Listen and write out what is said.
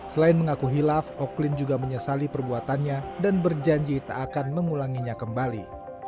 selain mengaku hilaf oklin juga menyesali perbuatannya dan berjanji tak akan mengulanginya kembali